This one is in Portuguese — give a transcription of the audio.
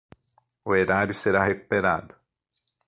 O erário será recuperado